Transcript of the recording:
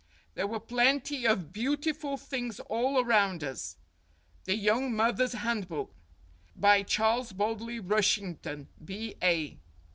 There were plenty of beautiful things all around us. ("The Young Mother's Handbook." By Charles Baldley Rushington, B.A.)